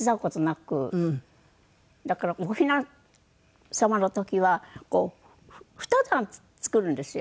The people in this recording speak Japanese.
だからおひな様の時は２段作るんですよ。